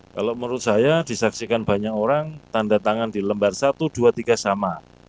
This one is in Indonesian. kalau menurut saya disaksikan banyak orang tanda tangan di lembar satu dua tiga sama